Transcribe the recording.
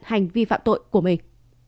hành vi phạm tội của mình